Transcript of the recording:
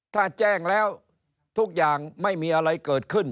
ถ้าแจ้งแล้วทุกอย่างไม่มีอะไรเกิดขึ้น